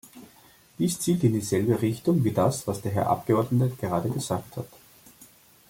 Dies zielt in dieselbe Richtung wie das, was der Herr Abgeordnete gerade gesagt hat.